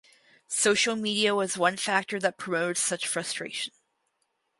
Social Media was one factor that promoted such frustration.